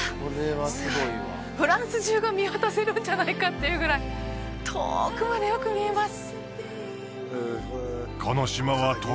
すごいフランス中が見渡せるんじゃないかっていうぐらい遠くまでよく見えます